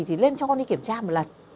thì lên cho con đi kiểm tra một lần